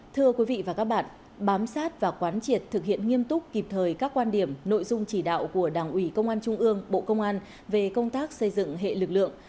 thưa quý vị và các bạn bám sát và quán triệt thực hiện nghiêm túc kịp thời các quan điểm nội dung chỉ đạo của đảng ủy công an trung ương bộ công an về công tác xây dựng hệ lực lượng